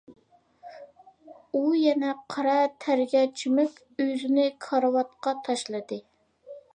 ئۇ يەنە قارا تەرگە چۆمۈپ، ئۆزىنى كارىۋاتقا تاشلىدى.